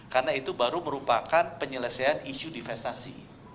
karena itu baru merupakan penyelesaian isu investasi